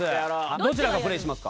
どちらがプレイしますか？